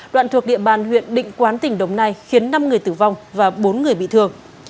đoạn thuộc địa bàn huyện định quán tỉnh đồng nai khiến năm người tử vong và bốn người bị thương